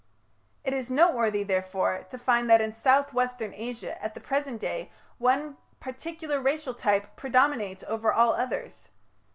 It is noteworthy, therefore, to find that in south western Asia at the present day one particular racial type predominates over all others.